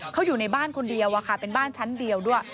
เขาอยู่ในบ้านคนเดียวเป็นบ้านชั้นเดียวด้วย